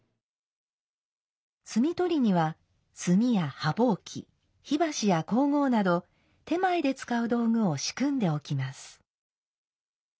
炭斗には炭や羽箒火箸や香合など手前で使う道具を仕組んでおきます。